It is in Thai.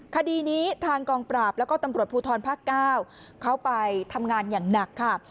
คดีนี้ทางกองปราบแล้วก็ตำรวจภูทรภาค๙เขาไปทำงานอย่างหนักค่ะ